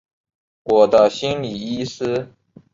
我的心理医师